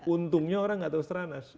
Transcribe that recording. untungnya orang gak tau stranas